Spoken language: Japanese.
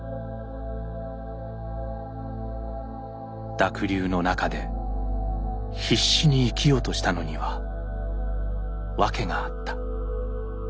濁流の中で必死に生きようとしたのには訳があった。